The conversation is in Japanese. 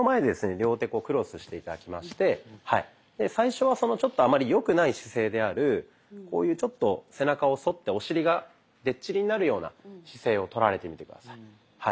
両手クロスして頂きまして最初はあまり良くない姿勢であるこういうちょっと背中を反ってお尻が出っ尻になるような姿勢をとられてみて下さい。